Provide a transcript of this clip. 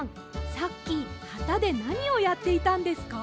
さっきはたでなにをやっていたんですか？